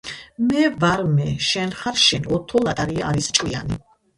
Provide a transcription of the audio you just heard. მე ვარ მე. შენ ხარ შენ. ოთო ლატარია არის ჭკვიანი.